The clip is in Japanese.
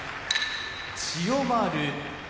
千代丸